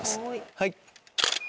はい。